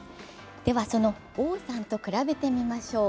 では、その王さんと比べてみましょう。